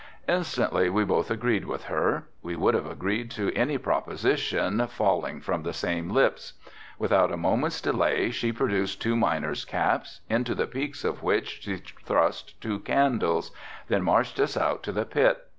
Instantly we both agreed with her. We would have agreed to any proposition falling from the same lips. Without a moment's delay she produced two miner's caps, into the peaks of which she thrust two candles, then marched us out to the pit.